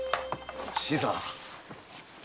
新さん。